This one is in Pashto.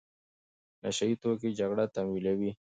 نشه يي توکي جګړه تمویلوي.